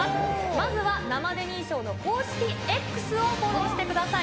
まずは生デミー賞の公式Ｘをフォローしてください。